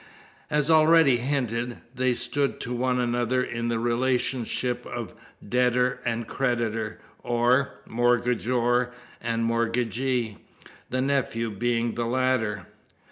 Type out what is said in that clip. As already hinted, they stood to one another in the relationship of debtor and creditor or mortgagor and mortgagee the nephew being the latter.